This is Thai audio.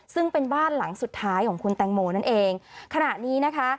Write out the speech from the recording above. ซึ่งเป็นบ้านหลังสุดท้ายของคุณแตงโมนั่นเองขณะนี้นะคะ